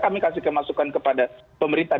kami kasih kemasukan kepada pemerintah